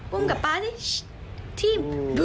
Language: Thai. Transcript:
ปูมกับเป้านี่